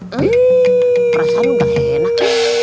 perasaan lu gak enak